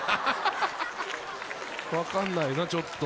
分かんないなちょっと。